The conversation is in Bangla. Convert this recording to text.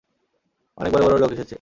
অনেক বড় বড় লোক এসেছে।